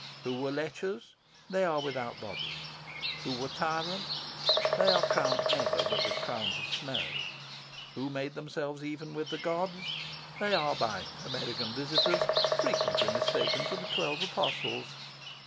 Who were lechers, they are without bodies; who were tyrants, they are crowned never but with crowns of snow; who made themselves even with the gods, they are by American visitors frequently mistaken for the Twelve Apostles.